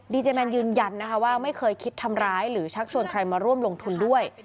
เจแมนยืนยันนะคะว่าไม่เคยคิดทำร้ายหรือชักชวนใครมาร่วมลงทุนด้วย